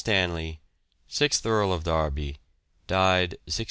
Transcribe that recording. Stanley, Sixth Earl of Derby, died 1640.